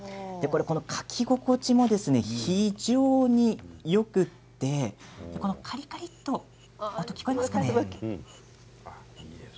書き心地も非常によくてカリカリという音が聞こえますか？